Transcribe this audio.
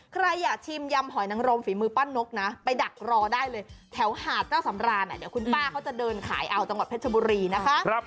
ใครอยากชิมยำหอยนังรมฝีมือป้านกนะไปดักรอได้เลยแถวหาดเจ้าสำรานเดี๋ยวคุณป้าเขาจะเดินขายเอาจังหวัดเพชรบุรีนะคะ